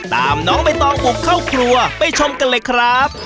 น้องใบตองบุกเข้าครัวไปชมกันเลยครับ